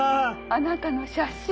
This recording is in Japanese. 「あなたの写真」。